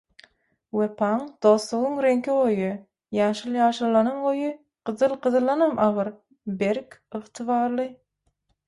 Wepaň, dostlugyň reňki – goýy. Ýaşyl ýaşyldanam goýy, gyzyl gyzyldanam agyr, berk, ygtybarly.